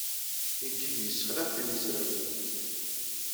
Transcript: Iggig yessexleɛ timezrawin.